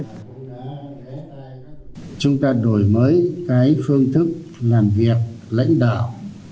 chúng ta đổi mới cái phương thức làm việc lãnh đạo